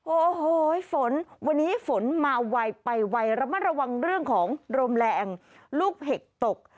โอ้โหฝนวันนี้ฝนมาไวไปไวระมัดระวังเรื่องของลมแรงลูกเห็บตก